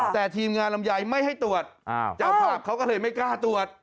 แต่ทีมงานลำไยไม่ให้ตรวจเจ้าภาพเขาก็เลยไม่กล้าตรวจ